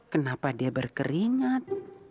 kenapa dia berkeringat